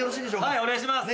はいお願いします。